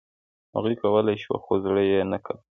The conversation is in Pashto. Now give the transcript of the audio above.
هغوی کولای شول، خو زړه یې نه کاوه.